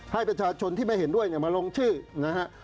ให้ประชาชนที่ไม่เห็นด้วยมาลงชื่อนะครับ